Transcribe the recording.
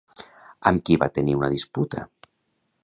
Amb qui va tenir una disputa?